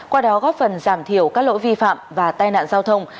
qua đó góp phần giảm thiểu các lỗi vi phạm và tai nạn giao thông